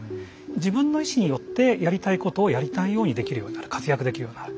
自分の意思によってやりたいことをやりたいようにできるようになる活躍できるようになる。